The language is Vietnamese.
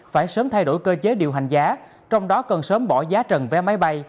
phải sớm thay đổi cơ chế điều hành giá trong đó cần sớm bỏ giá trần vé máy bay